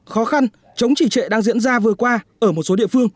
khó khăn chống chỉ trệ đang diễn ra vừa qua ở một số địa phương